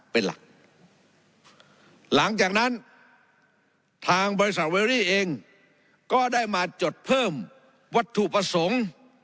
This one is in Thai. เป็นหลักหลังจากนั้นทางบริษัทเวอรี่เองก็ได้มาจดเพิ่มวัตถุประสงค์